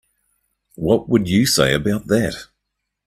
What would you say about that?